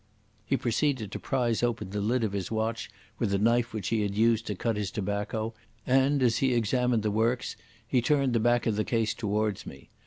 He proceeded to prise open the lid of his watch with the knife he had used to cut his tobacco, and, as he examined the works, he turned the back of the case towards me.